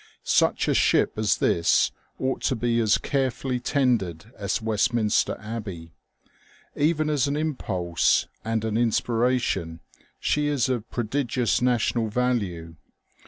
Such a ship as this ought to be as carefully tended as Westminster Abbey. Even as an impulse and an inspiration, she is of prodigious national value.